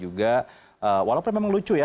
juga walaupun memang lucu ya